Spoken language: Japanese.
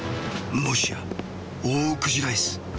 もしやオオクジライス？